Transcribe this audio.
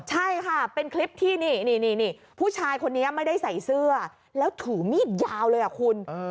ใช่ค่ะเป็นคลิปที่นี่ผู้ชายคนนี้ไม่ได้ใส่เสื้อแล้วถือมีดยาวเลยอ่ะคุณ